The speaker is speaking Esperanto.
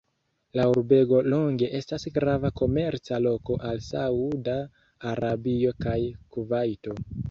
La urbego longe estas grava komerca loko al Sauda Arabio kaj Kuvajto.